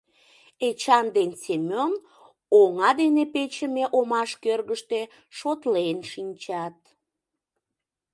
Эчан ден Семён оҥа дене печыме омаш кӧргыштӧ шотлен шинчат...